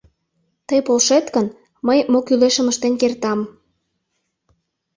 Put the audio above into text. Тый полшет гын, мый мо-кӱлешым ыштен кертам!»